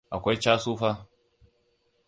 Akwai casu fa.